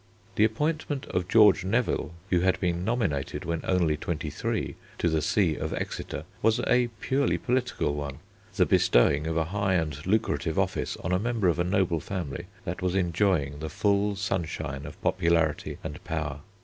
The appointment of George Neville, who had been nominated when only twenty three to the see of Exeter, was a purely political one, the bestowing of a high and lucrative office on a member of a noble family that was enjoying the full sunshine of popularity and power.